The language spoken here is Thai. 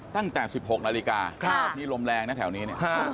ตั้งแต่๑๖นาฬิกาที่ลมแรงนะแถวนี้เนี่ย